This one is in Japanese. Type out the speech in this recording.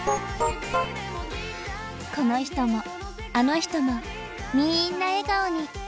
この人もあの人もみんな笑顔に。